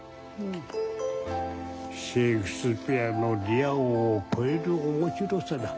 シェークスピアの「リア王」を超える面白さだ。